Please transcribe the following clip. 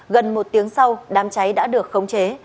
gần một tiếng sau đám cháy đã được khống chế